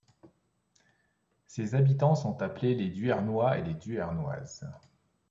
Ses habitants sont appelés les Duernois et les Duernoises.